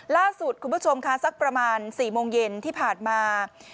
ล่าสุดคุณผู้ชมค่ะสักประมาณ๔โมงเย็นที่ผ่านมา